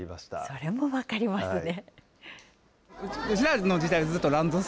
それも分かりますね。